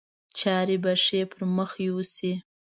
چارې به ښې پر مخ یوسي.